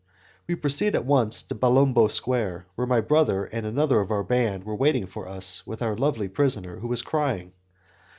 We proceed at once to Palombo Square, where my brother and another of our band were waiting for us with our lovely prisoner, who was crying.